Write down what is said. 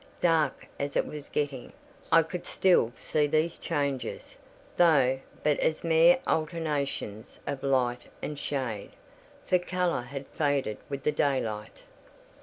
Dark as it was getting, I could still see these changes, though but as mere alternations of light and shade; for colour had faded with the daylight.